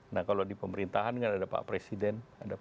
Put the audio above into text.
nah kalau di pemerintahan kan ada pak presiden